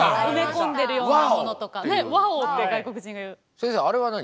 先生あれは何？